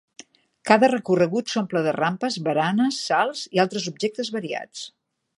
Cada recorregut s'omple de rampes, baranes, salts i altres objectes variats.